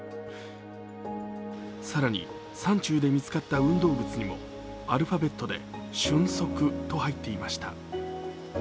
更に、山中で見つかった運動靴にもアルファベットでＳＹＵＮＳＯＫＵと入っていました。